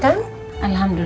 semesta tersebut spendangt